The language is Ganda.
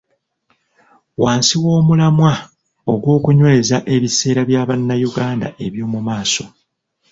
Wansi w'omulamwa ogw'okunyweza ebiseera bya Bannayuganda eby'omu maaso.